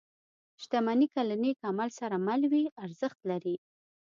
• شتمني که له نېک عمل سره مل وي، ارزښت لري.